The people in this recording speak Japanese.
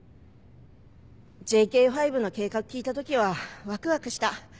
ＪＫ５の計画聞いた時はワクワクした。